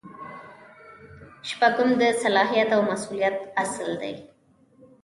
شپږم د صلاحیت او مسؤلیت اصل دی.